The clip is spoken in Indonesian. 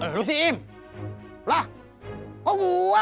lo si im lah kok gue